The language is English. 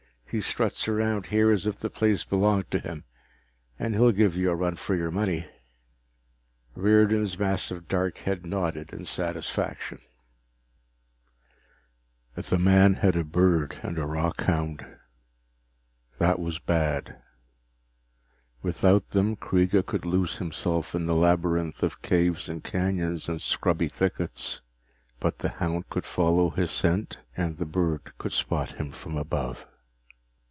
He struts around here as if the place belonged to him. And he'll give you a run for your money." Riordan's massive dark head nodded in satisfaction. The man had a bird and a rockhound. That was bad. Without them, Kreega could lose himself in the labyrinth of caves and canyons and scrubby thickets but the hound could follow his scent and the bird could spot him from above.